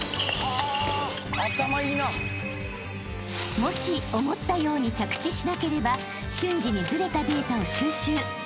［もし思ったように着地しなければ瞬時にずれたデータを収集］